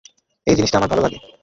এই জিনিসটা আমার ভালোলাগে।